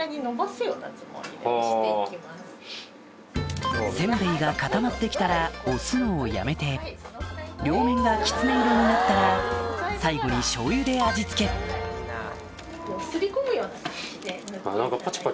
せんべいが固まって来たら押すのをやめて両面がきつね色になったら最後にしょうゆで味付け擦り込むような感じで塗っていただいて。